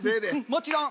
もちろん。